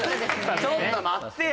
ちょっと待ってや・